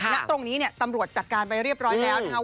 ณตรงนี้เนี่ยตำรวจจัดการไปเรียบร้อยแล้วนะครับ